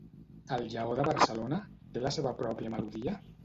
El Lleó de Barcelona té la seva pròpia melodia?